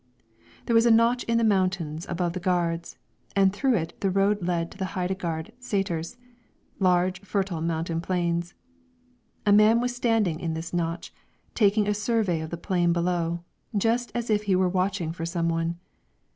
There was a notch in the mountains above the gards, and through it the road led to the Heidegard saeters, large, fertile mountain plains. A man was standing in this notch, taking a survey of the plain below, just as if he were watching for some one.